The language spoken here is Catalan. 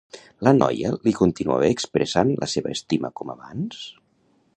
La noia li continuava expressant la seva estima com abans?